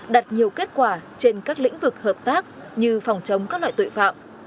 đặt nhiều kết quả trên các lĩnh vực hợp tác như phòng chống các loại tội phạm